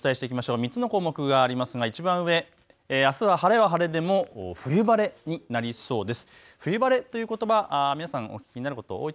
３つの項目がありますがいちばん上、あすは晴れは晴れでも冬晴れになりそうです。